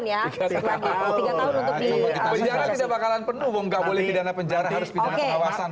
penjara tidak bakalan penuh bung nggak boleh pidana penjara harus pidana pengawasan